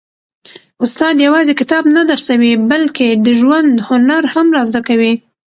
استاد یوازي کتاب نه درسوي، بلکي د ژوند هنر هم را زده کوي.